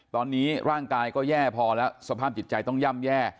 ตอนนี้ร่างกายก็แย่พอแล้วสภาพจิตใจต้องย่ำแย่